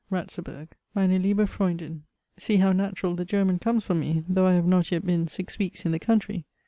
RATZEBURG. Meine liebe Freundinn, See how natural the German comes from me, though I have not yet been six weeks in the country!